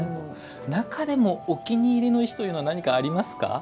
中でもお気に入りの石というのは何かありますか？